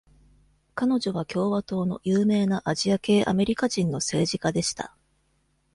彼女は共和党の有名なアジア系アメリカ人の政治家でした。